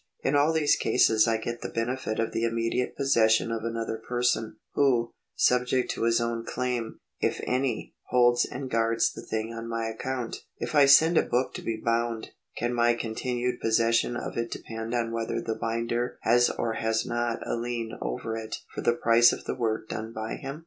In all these cases I get the benefit of the immediate possession of another person, who, subject to his own claim, if any, holds and guards the thing on my account. If I send a book to be bound, can my continued possession of it depend on whether the binder has or has not a lien over it for the price of the work done by him